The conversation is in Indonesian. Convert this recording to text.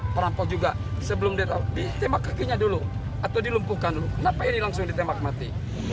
perampok juga sebelum ditembak kakinya dulu atau dilumpuhkan dulu kenapa ini langsung ditembak mati